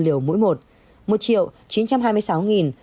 một chín trăm hai mươi sáu tám trăm hai mươi bốn liều mũi hai